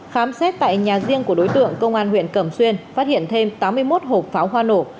khám xét tại nhà riêng của đối tượng công an huyện cẩm xuyên phát hiện thêm tám mươi một hộp pháo hoa nổ